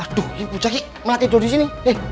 aduh ibu cakik malah tidur disini